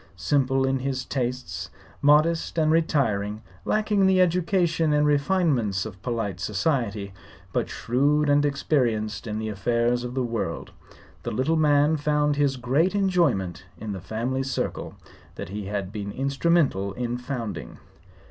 Simple in his tastes, modest and retiring, lacking the education and refinements of polite society, but shrewd and experienced in the affairs of the world, the little man found his greatest enjoyment in the family circle that he had been instrumental in founding.